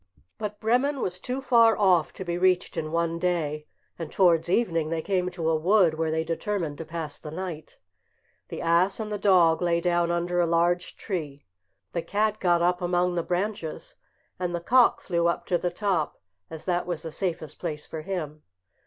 But Bremen was too far off to be reached in one day, and towards evening they came to a wood, where they determined to pass the night. The ass and the dog lay down under a large tree; the cat got up among the branches, and the cock flew up to the top, as that was the safest place for him.